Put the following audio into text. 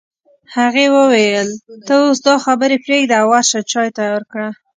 هغې وویل ته اوس دا خبرې پرېږده او ورشه چای تيار کړه